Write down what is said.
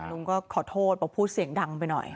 ลุงก็ขอโทษบอกพูดเสียงดังไปหน่อย